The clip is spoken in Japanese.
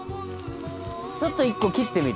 ちょっと１個切ってみる？